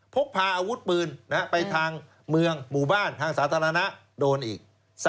พกพาอาวุธปืนไปทางเมืองหมู่บ้านทางสาธารณะโดนอีก